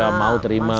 ya mau terima